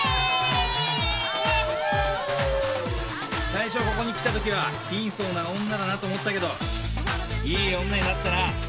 最初ここに来た時は貧相な女だなと思ったけどいい女になったな。